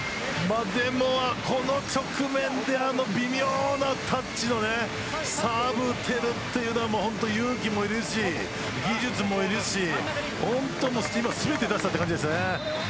でも、この局面であの微妙なタッチのサーブ打てるっていうのは勇気もいるし、技術もいるし本当、今全て出したって感じですね。